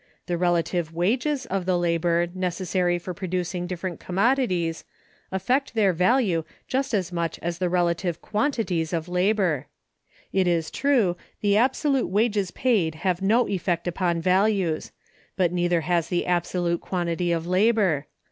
The relative wages of the labor necessary for producing different commodities affect their value just as much as the relative quantities of labor. It is true, the absolute wages paid have no effect upon values; but neither has the absolute quantity of labor.